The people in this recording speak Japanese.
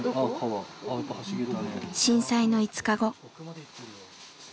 震災の５日後。